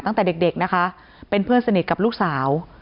ตั้งแต่เด็กนะคะเป็นเพื่อนสนิทกับลูกสาว